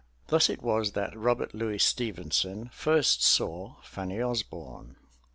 Thus it was that Robert Louis Stevenson first saw Fanny Osbourne.